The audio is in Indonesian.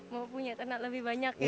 mau punya ternak lebih banyak ya